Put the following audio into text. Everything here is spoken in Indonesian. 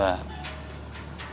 harus bisa ngadepin abahnya juga